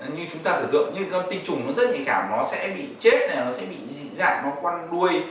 như chúng ta tưởng tượng như con tinh trùng nó rất nhạy cảm nó sẽ bị chết này nó sẽ bị dị dạng nó quăn đuôi